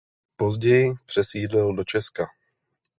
Později přesídlil do Česka.